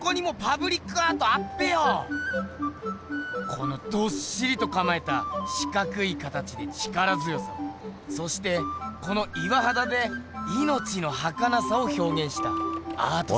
このどっしりとかまえた四角い形で力強さをそしてこの岩はだでいのちのはかなさをひょうげんしたアート作品。